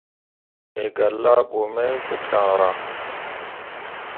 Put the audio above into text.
Wǝ gah laaɓu mai pu caŋryaŋ.